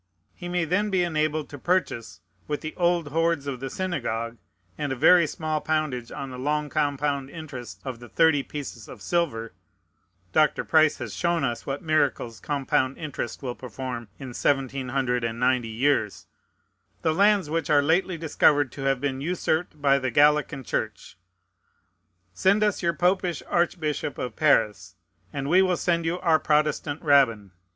He may then be enabled to purchase, with the old hoards of the synagogue, and a very small poundage on the long compound interest of the thirty pieces of silver, (Dr. Price has shown us what miracles compound interest will perform in 1790 years,) the lands which are lately discovered to have been usurped by the Gallican Church. Send us your Popish Archbishop of Paris, and we will send you our Protestant Rabbin.